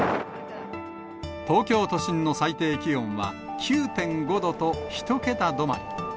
東京都心の最低気温は９．５度と１桁止まり。